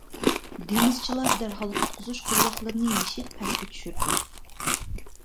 دېڭىزچىلار دەرھال قۇتقۇزۇش قولۋاقلىرىنى يېشىپ پەسكە چۈشۈردى،